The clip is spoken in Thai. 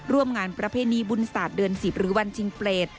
ร่วมงานประเพณีบุญศาสตร์เดือน๑๐หรือวันชิงเปรต